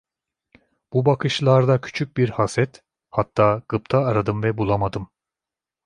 Bu bakışlarda küçük bir haset, hatta gıpta aradım ve bulamadım.